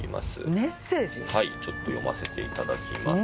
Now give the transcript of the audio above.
ちょっと読ませていただきます。